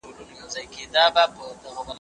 ذهنیتونه د ټولنې د طرز عمل ته شکل ورکوي.